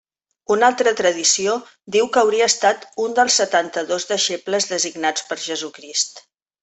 Una altra tradició diu que hauria estat un dels setanta-dos deixebles designats per Jesucrist.